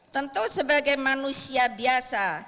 tentu sebagai manusia biasa